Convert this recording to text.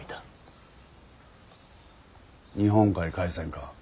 日本海海戦か。